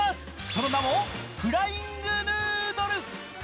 その名もフライングヌードル。